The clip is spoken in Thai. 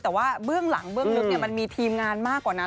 แต่ว่าเบื้องหลังเบื้องลึกมันมีทีมงานมากกว่านั้น